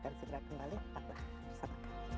anda kesehatan nanti ya multiplayer eh